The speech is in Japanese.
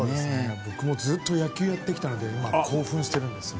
僕もずっと野球をやってきたので興奮してるんです。